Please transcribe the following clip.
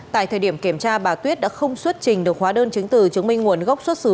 tại thời điểm kiểm tra bà tuyết đã không xuất trình được hóa đơn chứng từ chứng minh nguồn gốc xuất xứ